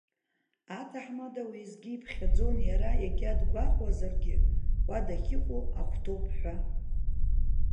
Аҭаҳмада, уеизгьы иԥхьаӡон, иара егьа дгәаҟуазаргьы, уа дахьыҟоу ахәҭоуп ҳәа.